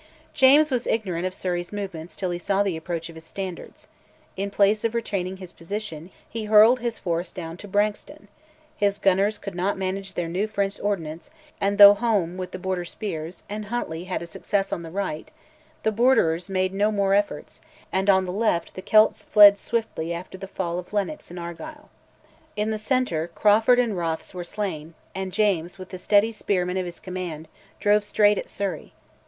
James was ignorant of Surrey's movement till he saw the approach of his standards. In place of retaining his position, he hurled his force down to Branxton, his gunners could not manage their new French ordnance, and though Home with the Border spears and Huntly had a success on the right, the Borderers made no more efforts, and, on the left, the Celts fled swiftly after the fall of Lennox and Argyll. In the centre Crawford and Rothes were slain, and James, with the steady spearmen of his command, drove straight at Surrey.